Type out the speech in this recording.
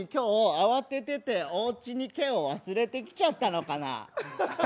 おうちに「け」を忘れてきちゃったのかな？